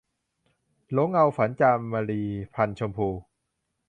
หลงเงาฝัน - จามรี พรรณชมพู